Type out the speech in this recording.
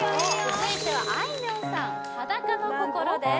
続いてはあいみょんさん「裸の心」です